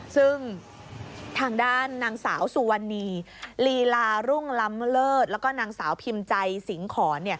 ซึ่งทางด้านนางสาวสุวรรณีลีลารุ่งล้ำเลิศแล้วก็นางสาวพิมพ์ใจสิงหอน